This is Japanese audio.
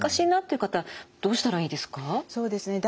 そうですね。